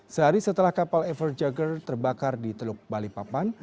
sehari setelah kapal everjager terbakar di teluk balikpapan